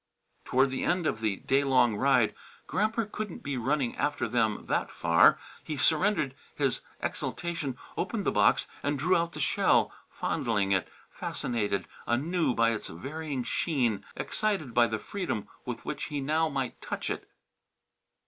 Toward the end of the day long ride Gramper couldn't be running after them that far he surrendered to his exultation, opened the box and drew out the shell, fondling it, fascinated anew by its varying sheen, excited by the freedom with which he now might touch it.